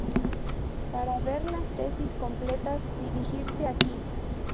Para ver las tesis completas dirigirse aquí.